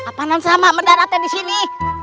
apaan sama mendaratnya disini